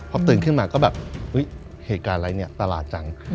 พอตื่นขึ้นมาก็แบบเหตุการณ์อะไรเนี่ยประหลาดจัง